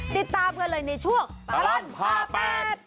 ติดตามกันเลยในช่วงตระลังพา๘